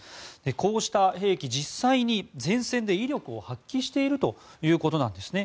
こうした兵器、実際に前線で威力を発揮しているということなんですね。